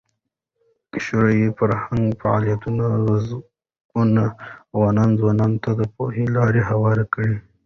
شوروي فرهنګي فعالیتونه زرګونو افغان ځوانانو ته د پوهې لار هواره کړه.